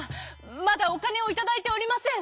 まだおかねをいただいておりません。